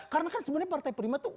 karena kan sebenarnya partai prima tuh